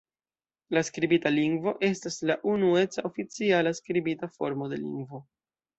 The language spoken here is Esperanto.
La skribita lingvo estas la unueca, oficiala skribita formo de lingvo.